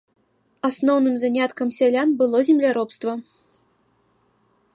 Асноўным заняткам сялян было земляробства.